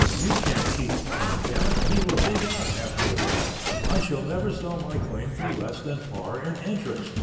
you can't keep Barnum down; he will dig out after a while; I shall never sell my claim for less than par and interest."